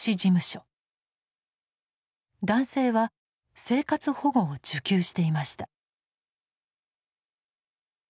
男性は生活保護を受給していました。